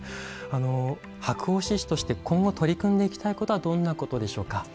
箔押師として今後取り組んでいきたいことはどんなことでしょうか？